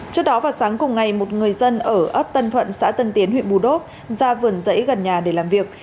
trước đó vào sáng cùng ngày một người dân ở ấp tân thuận xã tân tiến huyện bù đốp ra vườn rẫy gần nhà để làm việc